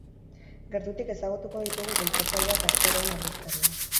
Gertutik ezagutuko ditugu bultzatzailea eta aktoreen ordezkaria.